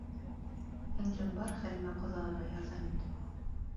Һеңлем, бар Хәлимә ҡоҙағыйға ярҙам ит.